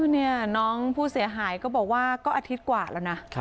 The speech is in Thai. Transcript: นี่น้องผู้เสียหายก็บอกว่าก็อาทิตย์กว่าแล้วนะ